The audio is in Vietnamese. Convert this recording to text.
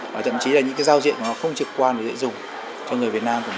và thậm chí là những giao diện không trực quan để dễ dùng cho người việt nam của mình